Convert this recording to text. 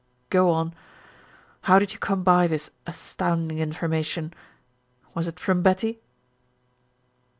Go on. How did you come by this astounding information? Was it from Betty?"